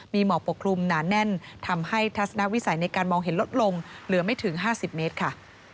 มีหมอกปกคลุมหนาแน่นทำให้ทัศนวิสัยในการมองเห็นลดลงเหลือไม่ถึง๕๐เมตรค่ะ